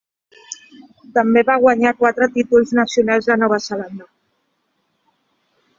També va guanyar quatre títols nacionals de Nova Zelanda.